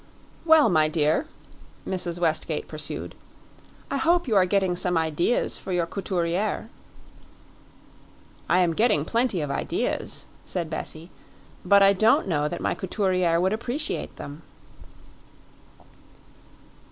"Well, my dear," Mrs. Westgate pursued, "I hope you are getting some ideas for your couturiere?" "I am getting plenty of ideas," said Bessie, "but I don't know that my couturiere would appreciate them."